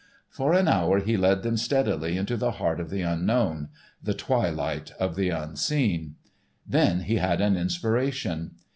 For an hour he led them steadily into the heart of the unknown: the twilight of the unseen. Then he had an inspiration.